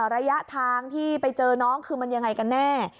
ระยะทางที่ไปเจอน้องคือมันยังไงกันแน่